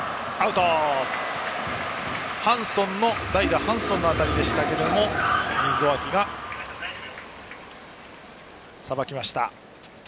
代打、ハンソンの当たりでしたが溝脇がさばきました。